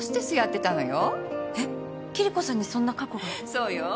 そうよ。